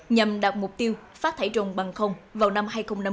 nhằm đạt mục tiêu phát thải rồng bằng không vào năm hai nghìn năm mươi